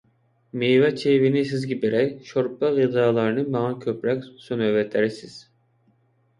مېۋە - چېۋىنى سىزگە بېرەي، شورپا - غىزالارنى ماڭا كۆپرەك سۇنۇۋېتەرسىز.